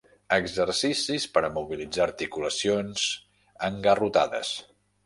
Exercicis per a mobilitzar articulacions engarrotades.